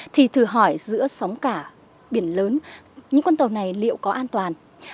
thì thử hỏi giữa sóng cả biển lớn những con tàu này liệu có an toàn